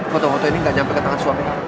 foto foto ini gak nyampe ke tangan suaminya